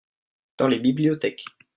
Dans les bibliothèques.